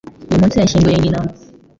Uyu munsi yashyinguye nyina.